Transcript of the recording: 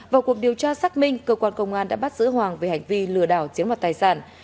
vào cuộc điều tra xác minh cơ quan công an đã bắt giữ hoàng về hành vi lừa đảo chiếm đoạt tài sản